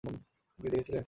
আপনি কি দেখেছিলেন?